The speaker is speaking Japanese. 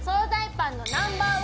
パンのＮｏ．１